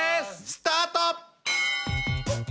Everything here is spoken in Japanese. スタート！